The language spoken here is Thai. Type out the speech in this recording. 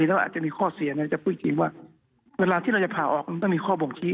แล้วอาจจะมีข้อเสียจะพูดจริงว่าเวลาที่เราจะผ่าออกมันต้องมีข้อบ่งชี้